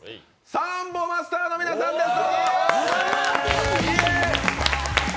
サンボマスターの皆さんです！